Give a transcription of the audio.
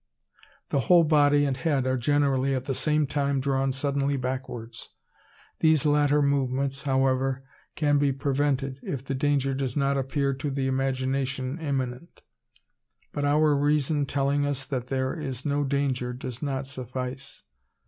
The whole body and head are generally at the same time drawn suddenly backwards. These latter movements, however, can be prevented, if the danger does not appear to the imagination imminent; but our reason telling us that there is no danger does not suffice.